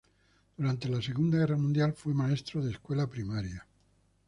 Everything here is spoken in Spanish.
Durante la Segunda Guerra Mundial fue maestro de escuela primaria.